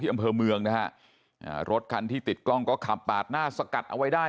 อำเภอเมืองนะฮะอ่ารถคันที่ติดกล้องก็ขับปาดหน้าสกัดเอาไว้ได้